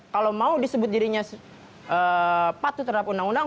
kalau mau disebut dirinya patuh terhadap undang undang